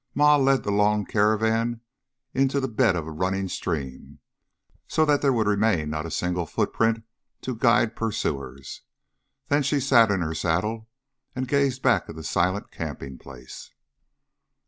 Ma led the long caravan into the bed of a running stream, so that there would remain not a single footprint to guide pursuers, then she sat in her saddle and gazed back at the silent camping place.